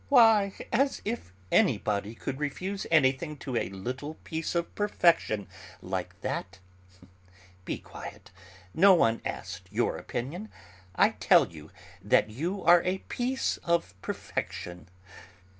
"Why, as if anybody could refuse anything to a little piece of perfection like that. Be quiet; no one asked your opinion. I tell you that you are a piece of perfection."